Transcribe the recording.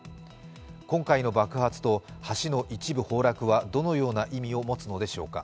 今回の爆発と橋の一部崩落はどのような意味を持つのでしょうか。